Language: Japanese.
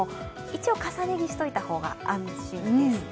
一応、重ね着しておいた方が安心です。